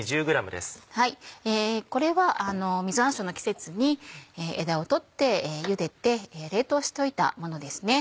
これは実山椒の季節に枝を取ってゆでて冷凍しといたものですね。